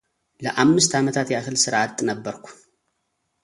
ለአምስት ዓመታት ያህል ሥራ አጥ ነበርኩ።